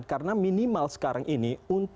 karena minimal sekarang ini